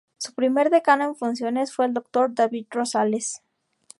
Su primer decano en funciones fue el doctor David Rosales.